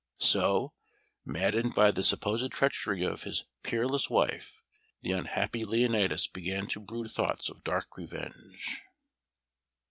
So, maddened by the supposed treachery of his peerless wife, the unhappy Leonatus began to brood thoughts of dark revenge.